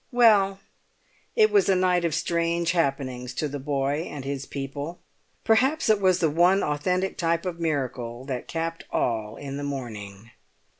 Well, it was a night of strange happenings to the boy and his people; perhaps it was the one authentic type of miracle that capped all in the morning.